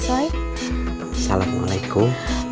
wa'alaikum salam warahmatullah wabarakatuh